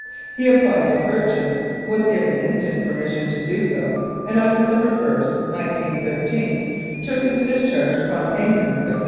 He applied to purchase, was given instant permission to do so, and, on December i, 1913, took his discharge upon payment of $61.